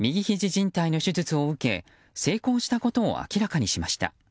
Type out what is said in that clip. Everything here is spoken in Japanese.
じん帯の手術を受け成功したことを明らかにしました。